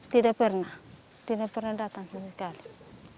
tidak pernah tidak pernah datang